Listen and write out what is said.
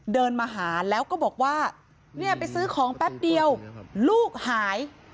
เดินมาหาแล้วก็บอกว่าเนี่ยไปซื้อของแป๊บเดียวลูกหาย